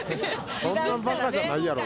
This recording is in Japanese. そんなバカじゃないやろ。